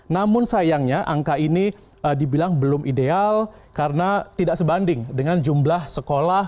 namun sayangnya angka ini dibilang belum ideal karena tidak sebanding dengan jumlah sekolah